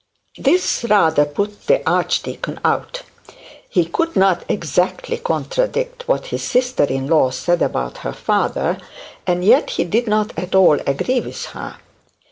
This rather put the archdeacon out. He could not exactly contradict what his sister in law said about her father; and yet he did not at all agree with her.